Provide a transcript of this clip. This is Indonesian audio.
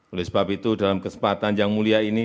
oleh sebab itu dalam kesempatan yang mulia ini